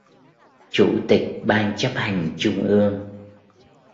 Chủ tịch Ban Chấp hành Trung ương